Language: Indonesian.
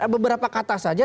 beberapa kata saja